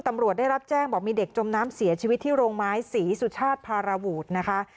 ตำรวจได้รับแจ้งบอกมีเด็กจมน้ำเสียชีวิตที่โรงไม้ศรีสุชาติพาราวูดนะคะ